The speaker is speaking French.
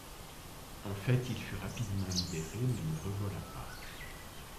En fait il fut rapidement libéré, mais ne revola pas.